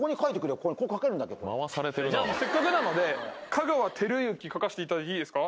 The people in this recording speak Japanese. これじゃあせっかくなので書かせていただいていいですか？